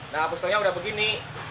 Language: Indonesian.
nah pistolnya udah begini